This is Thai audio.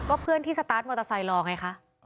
เพื่อนที่สตาร์ทมอเตอร์ไซค์รอไงคะ